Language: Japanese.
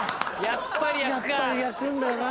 やっぱり焼くんだな。